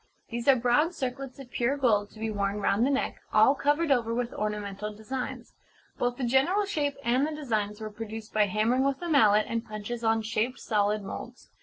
These are broad circlets of pure gold to be worn round the neck, all covered over with ornamental designs. Both the general shape and the designs were produced by hammering with a mallet and punches on shaped solid moulds.